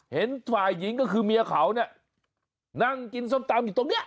เห็นฝ่ายหญิงก็คือเมียเขาเนี่ยนั่งกินส้มตำอยู่ตรงนี้